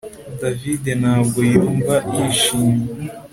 David ntabwo yumva yishimye